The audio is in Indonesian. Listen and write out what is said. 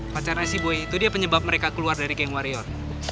pacarnya si boy itu dia penyebab mereka keluar dari geng warior